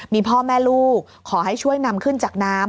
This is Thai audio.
มีพ่อแม่ลูกขอให้ช่วยนำขึ้นจากน้ำ